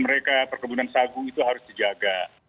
mereka perkebunan sagu itu harus dijaga